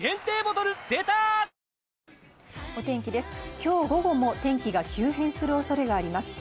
今日、午後はお天気が急変する恐れがあります。